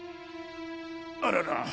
あらら。